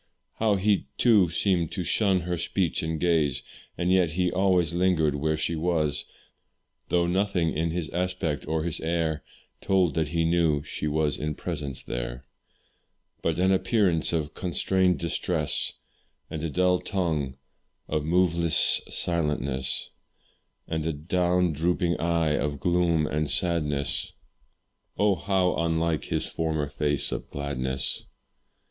How he, too, seemed to shun her speech and gaze, And yet he always lingered where she was; Though nothing in his aspect or his air Told that he knew she was in presence there; But an appearance of constrained distress, And a dull tongue of moveless silentness, And a down drooping eye of gloom and sadness, Oh! how unlike his former face of gladness.